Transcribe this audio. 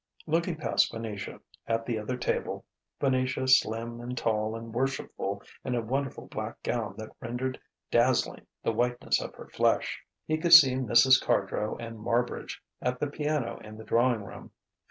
Looking past Venetia, at the other table Venetia slim and tall and worshipful in a wonderful black gown that rendered dazzling the whiteness of her flesh he could see Mrs. Cardrow and Marbridge at the piano in the drawing room.